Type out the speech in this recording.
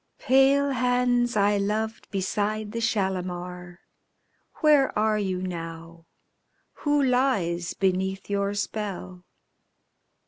_"Pale hands I loved beside the Shalimar. Where are you now? Who lies beneath your spell?"